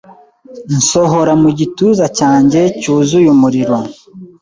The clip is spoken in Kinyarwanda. Nsohora mu gituza cyanjye cyuzuye umuriro